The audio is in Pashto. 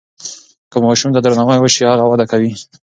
که ماشوم ته درناوی وسي هغه وده کوي.